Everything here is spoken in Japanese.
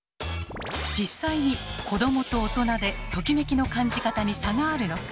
実際に子どもと大人でトキメキの感じ方に差があるのか。